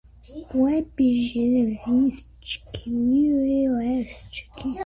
webgl, vim script, unrealscript